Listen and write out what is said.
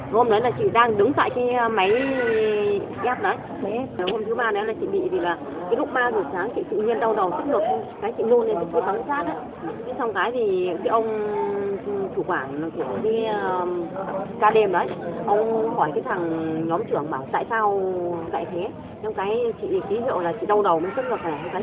nói chung là chị đang đứng tại cái máy ghép đấy